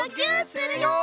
するよ！